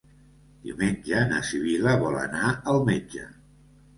Diumenge na Sibil·la vol anar al metge.